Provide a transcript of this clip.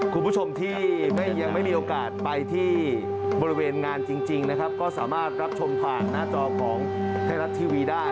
คุณผู้ชมที่ยังไม่มีโอกาสไปที่บริเวณงานจริงนะครับก็สามารถรับชมผ่านหน้าจอของไทยรัฐทีวีได้